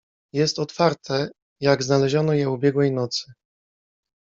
"Jest otwarte, jak znaleziono je ubiegłej nocy."